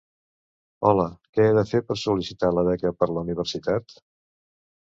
Hola, que he de fer per sol·licitar la beca per la universitat?